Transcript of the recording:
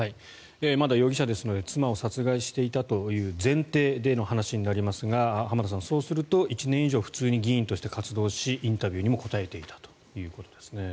まだ容疑者ですので妻を殺害していたという前提での話になりますが浜田さん、そうすると１年以上普通に議員として活動しインタビューにも答えていたということですね。